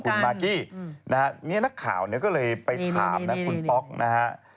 คุณมากกี้นะฮะนี่นักข่าวเนี่ยก็เลยไปถามนะคุณป๊อกนะฮะ